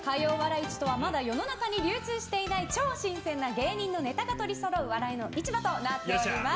市とはまだ世の中に流通していない超新鮮な芸人のネタが取りそろう笑いの市場となっております。